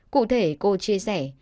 cụ thể cô chia sẻ